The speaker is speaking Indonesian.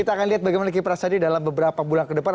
kita akan lihat bagaimana kiprah sandi dalam beberapa bulan ke depan